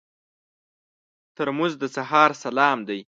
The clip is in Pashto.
ترموز د سهار سلام دی.